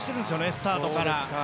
スタートから。